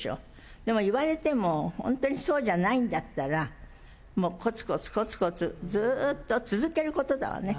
でも言われても、本当にそうじゃないんだったら、もうこつこつこつこつ、ずっと続けることだわね。